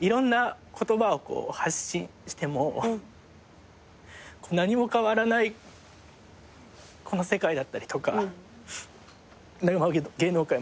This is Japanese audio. いろんな言葉を発信しても何も変わらないこの世界だったりとか芸能界もそうだし。